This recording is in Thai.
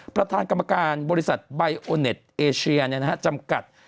ประธานกรรมการบริษัทเนี้ยนะฮะจำกัด